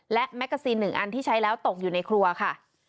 และแมกกาซีน๑อันที่ใช้แล้วตกอยู่ในครัวค่ะ